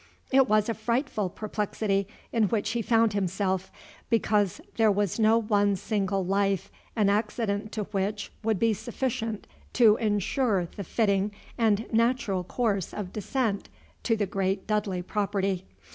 It was a frightful perplexity in which he found himself, because there was no one single life an accident to which would be sufficient to insure the fitting and natural course of descent to the great Dudley property.